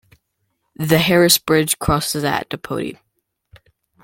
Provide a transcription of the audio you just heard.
The Harris Bridge crosses at Dapodi.